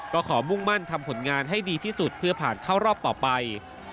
ก็ขอมุ่งมั่นทำผลงานให้ดีที่สุดเพื่อผ่านเข้ารอบต่อไป